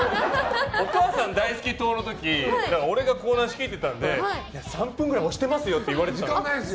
お母さん大好き党の時俺がコーナー仕切ってたんで３分ぐらい押してますよって言われてたんですよ。